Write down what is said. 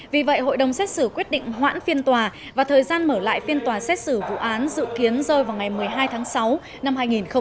vì vậy hội đồng xét xử quyết định hoãn phiên tòa và thời gian mở lại phiên tòa xét xử vụ án dự kiến rơi vào ngày một mươi hai tháng sáu năm hai nghìn hai mươi